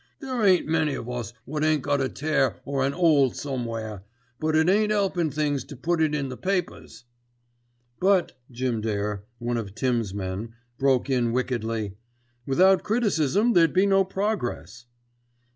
There ain't many of us wot ain't got a tear or an 'ole somewhere, but it ain't 'elpin' things to put it in the papers." "But," Jim Dare, one of "Tims'" men, broke in wickedly, "without criticism there'd be no progress."